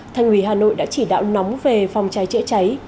thành ủy hà nội đã chỉ đạo nóng về phòng cháy chữa cháy